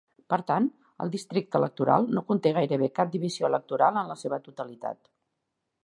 Per tant, el districte electoral no conté gairebé cap divisió electoral en la seva totalitat.